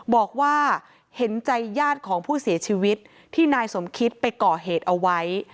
บอกว่าเห็นใจญาติของผู้เสียชีวิตที่นายสมคิตไปก่อเหตุเอาไว้